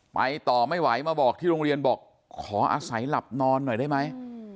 ไปต่อไม่ไหวมาบอกที่โรงเรียนบอกขออาศัยหลับนอนหน่อยได้ไหม